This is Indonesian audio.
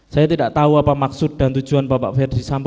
saya tidak tahu apa maksud dan tujuan bapak ferdisambo